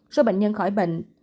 số bệnh nhân khỏi bệnh